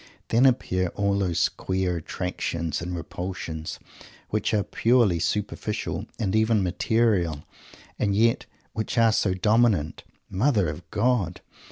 Then appear all those queer attractions and repulsions which are purely superficial, and even material, and yet which are so dominant. Mother of God!